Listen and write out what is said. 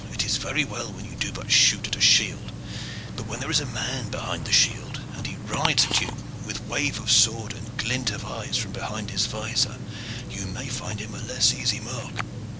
it is very well when you do but shoot at a shield, but when there is a man behind the shield, and he rides at you with wave of sword and glint of eyes from behind his vizor, you may find him a less easy mark."